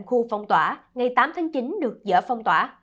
khu phong tỏa ngày tám tháng chín được dỡ phong tỏa